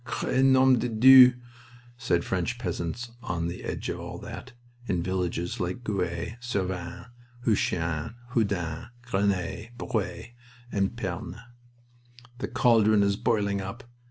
"'Cre nom de Dieu!" said French peasants, on the edge of all that, in villages like Gouy, Servins, Heuchin, Houdain, Grenay, Bruay, and Pernes. "The caldron is boiling up...